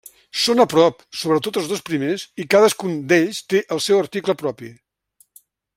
Són a prop, sobretot els dos primers, i cadascun d'ells té el seu article propi.